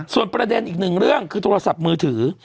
ส่วนประเด็นอีกหนึ่งเรื่องคือโทรศัพท์มือถือ